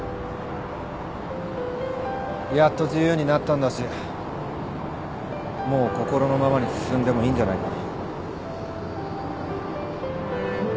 やっと自由になったんだしもう心のままに進んでもいいんじゃないか？